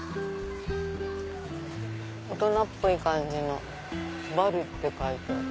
大人っぽい感じのバルって書いてある。